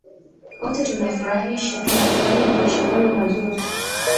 ote tunafurahisha tunafurahia maisha hayo mazuri